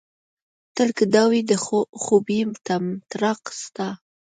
تل که دا وي د خوبيه طمطراق ستا